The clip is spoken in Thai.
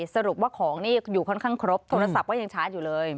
สรุปว่าของนี่อยู่ค่อนข้างครบโทรศัพท์ก็ยังชาร์จอยู่เลย